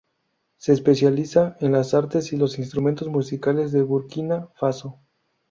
Se especializa en las artes y los instrumentos musicales de Burkina Faso.